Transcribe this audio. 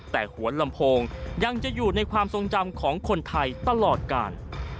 แต่หัวลำโพงยังจะอยู่ในความทรงจำของคนไทยตลอดกาล